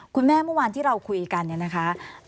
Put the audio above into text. เมื่อวานที่เราคุยกันเนี่ยนะคะ